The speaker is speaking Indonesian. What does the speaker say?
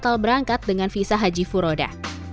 total berangkat dengan visa haji furoda